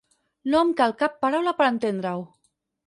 No em cal cap paraula per entendre-ho.